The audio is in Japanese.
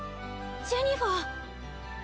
ジェニファー。